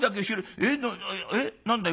えっ何だい？